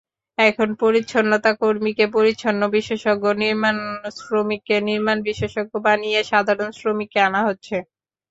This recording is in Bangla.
এখন পরিচ্ছন্নতাকর্মীকে পরিচ্ছন্ন বিশেষজ্ঞ, নির্মাণশ্রমিককে নির্মাণ বিশেষজ্ঞ বানিয়ে সাধারণ শ্রমিকদের আনা হচ্ছে।